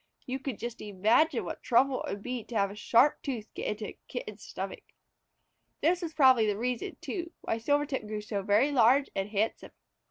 You can just imagine what trouble it would make to have a sharp tooth get into a Kitten's stomach. This was probably the reason, too, why Silvertip grew so very large and handsome.